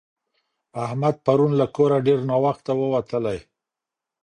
احمد پرون له کوره ډېر ناوخته ووتلی.